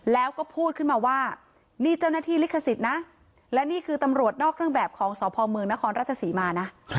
แล้วก็พูดขึ้นมาว่านี่เจ้าหน้าที่ลิขสิทธิ์นะและนี่คือตำรวจนอกเครื่องแบบของสพเมืองนครราชศรีมานะ